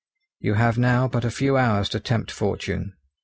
You have now but a few hours to tempt fortune.